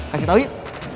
kasih tahu yuk